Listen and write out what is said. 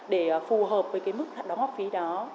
để phù hợp với cái mức hoạt động học phí đó